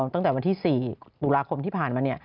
ตั้งแต่วันที่๔ตุลาคมที่ผ่านมา